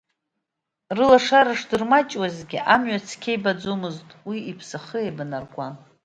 Рылашара шдырмаҷуазгьы, амҩа цқьа ибаӡомызт, уи иԥсахы еибанаркуан.